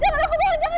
jangan aku mohon jangan